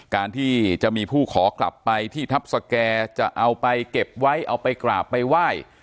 การที่จะมีผู้ขอกลับไปที่ทัพสแก่จะเอาไปเก็บไว้เอาไปกราบไปไหว้